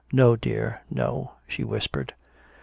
"No, dear, no," she whispered.